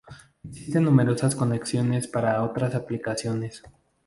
Existen numerosas conexiones para otras aplicaciones.